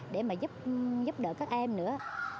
để mà giúp đỡ các em nữa